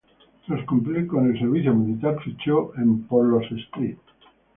Tras cumplir con el servicio militar, fichó en por los St.